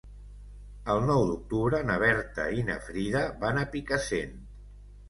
El nou d'octubre na Berta i na Frida van a Picassent.